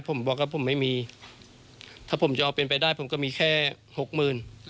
ผมบอกว่าผมไม่มีถ้าผมจะเอาเป็นไปได้ผมก็มีแค่หกหมื่น